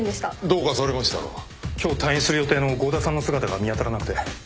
今日退院する予定の郷田さんの姿が見当たらなくて。